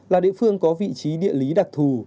là địa phương có vị trí địa lý đặc thù